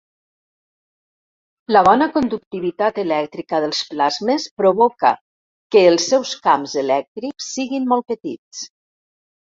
La bona conductivitat elèctrica dels plasmes provoca que els seus camps elèctrics siguin molt petits.